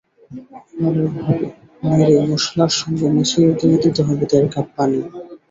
ভালোভাবে নেড়ে মসলার সঙ্গে মিশিয়ে দিয়ে দিতে হবে দেড় কাপ পানি।